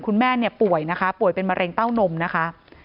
คุณแม่เนี่ยป่วยนะคะป่วยเป็นมะเร็งเต้านมนะคะ